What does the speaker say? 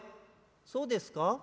「そうですか？